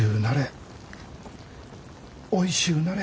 おいしゅうなれ。